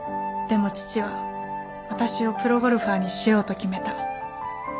でも父は私をプロゴルファーにしようと決めた。